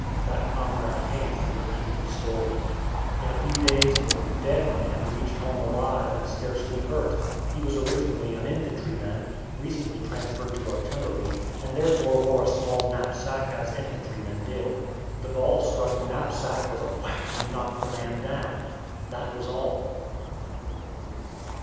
That comrade came and repeated the story. In a few days the "dead man" reached home alive and scarcely hurt. He was originally an infantryman, recently transferred to artillery, and therefore wore a small knapsack, as infantrymen did. The ball struck the knapsack with a "whack!" and knocked the man down. That was all.